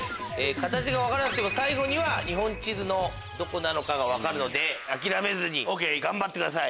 形が分からなくても最後には日本地図のどこか分かるので諦めずに頑張ってください。